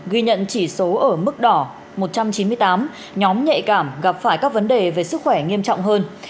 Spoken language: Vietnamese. ghi nhận chỉ số ở mức đỏ một trăm chín mươi tám nhóm nhạy cảm gặp phải các vấn đề về sức khỏe nghiêm trọng hơn